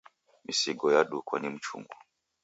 Misigo yadukwa ni mchungu